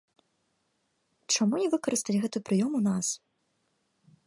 Чаму не выкарыстаць гэты прыём у нас?